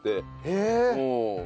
へえ！